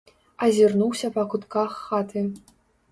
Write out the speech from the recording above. Азірнуўся па кутках хаты.